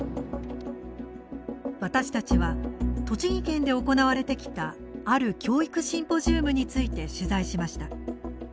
私たちは、栃木県で行われてきたある教育シンポジウムについて取材しました。